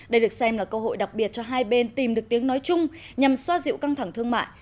đây được xem là cơ hội đặc biệt cho hai bên tìm được tiếng nói chung nhằm xoa dịu căng thẳng thương mại